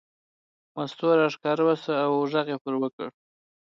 مستو راښکاره شوه او یې پرې غږ وکړ.